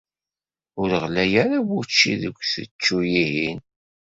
Ur ɣlay ara wučči deg usečču-ihin.